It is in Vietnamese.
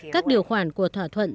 các điều khoản của thỏa thuận